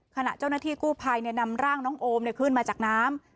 ขณะเจ้าหน้าที่กู้ภัยนำร่างน้องโอมขึ้นมาจากน้ำ